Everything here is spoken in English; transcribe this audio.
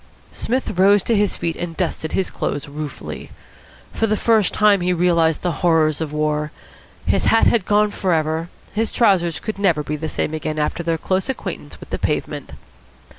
Psmith rose to his feet and dusted his clothes ruefully. For the first time he realised the horrors of war. His hat had gone for ever. His trousers could never be the same again after their close acquaintance with the pavement.